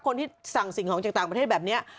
คนที่สั่งสิ่งของจากต่างประเทศแบบนี้